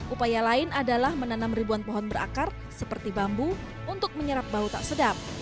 upaya lain adalah menanam ribuan pohon berakar seperti bambu untuk menyerap bau tak sedap